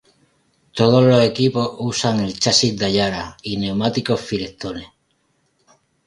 Todos los equipos usan el chasis Dallara y neumáticos Firestone